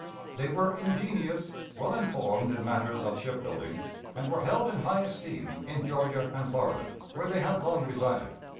They were ingenious, well informed in matters of ship building, and were held in high esteem in Georgia and Florida, where they had long resided.